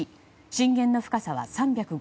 震源の深さは３５０ｋｍ。